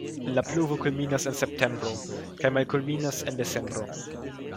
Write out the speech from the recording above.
La pluvo kulminas en septembro kaj malkulminas en decembro.